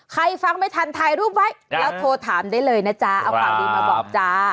ฟังไม่ทันถ่ายรูปไว้แล้วโทรถามได้เลยนะจ๊ะเอาข่าวดีมาบอกจ้า